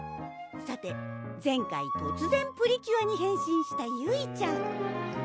さて前回突然プリキュアに変身したゆいちゃん